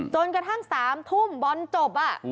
จนกระทั่ง๓ทุ่มบอลจบ